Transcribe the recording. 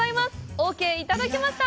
オーケー、いただけました！